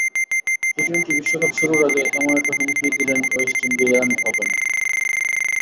T twenty বিশ্বকাপ শুরুর আগে এমন একটা হুমকিই দিলেন ওয়েস্ট ইন্ডিয়ান ওপেনার।